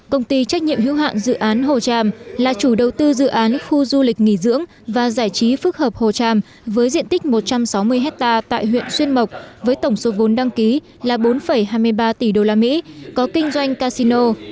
công ty trách nhiệm hữu hạn dự án hồ tràm là chủ đầu tư dự án khu du lịch nghỉ dưỡng và giải trí phức hợp hồ tràm với diện tích một trăm sáu mươi hectare tại huyện xuyên mộc với tổng số vốn đăng ký là bốn hai mươi ba tỷ usd có kinh doanh casino